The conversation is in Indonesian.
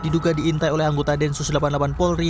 diduga diintai oleh anggota densus delapan puluh delapan polri